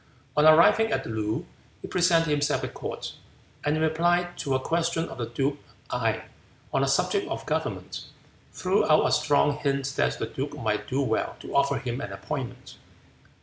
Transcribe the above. On arriving at Loo, he presented himself at court, and in reply to a question of the duke Gae on the subject of government, threw out a strong hint that the duke might do well to offer him an appointment.